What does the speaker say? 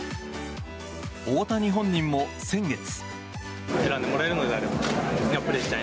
大谷本人も先月。